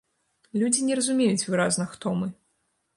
Людзі не разумеюць выразна, хто мы.